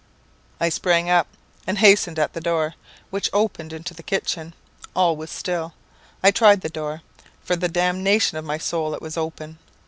"I sprang up, and hastened at their door, which opened into the kitchen. All was still. I tried the door; for the damnation of my soul, it was open.